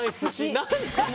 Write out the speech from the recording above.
何ですかね？